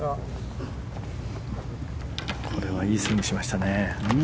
これはいいスイングしましたね。